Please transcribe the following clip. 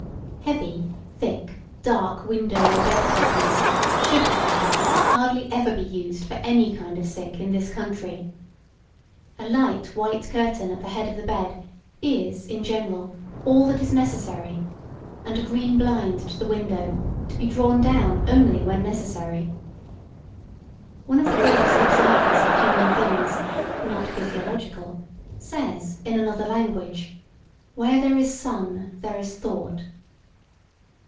Heavy, thick, dark window or bed curtains should, however, hardly ever be used for any kind of sick in this country. A light white curtain at the head of the bed is, in general, all that is necessary, and a green blind to the window, to be drawn down only when necessary. [Sidenote: Without sunlight, we degenerate body and mind.] One of the greatest observers of human things (not physiological), says, in another language, "Where there is sun there is thought."